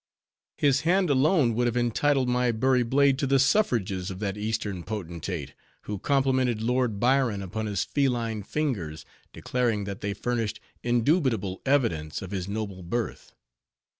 His hand alone, would have entitled my Bury blade to the suffrages of that Eastern potentate, who complimented Lord Byron upon his feline fingers, declaring that they furnished indubitable evidence of his noble birth.